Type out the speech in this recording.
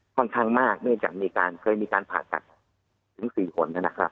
ค่อนข้างมากเนื่องจากมีการเคยมีการผ่าตัดถึง๔คนนะครับ